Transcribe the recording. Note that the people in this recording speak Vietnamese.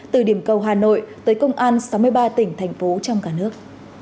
từ điểm cầu hà nội tới công an sáu mươi ba tỉnh thành phố trong cả nước